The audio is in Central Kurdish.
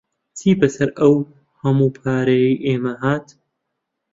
چی بەسەر ئەو هەموو پارەیەی ئێمە هات؟